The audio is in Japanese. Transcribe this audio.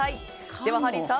では、ハリーさん。